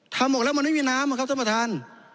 ออกแล้วมันไม่มีน้ำอะครับท่านประธาน